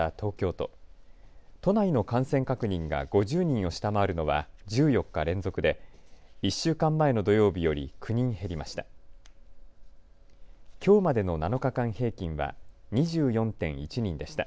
都内の感染確認が５０人を下回るのは１４日連続で１週間前の土曜日より９人減りました。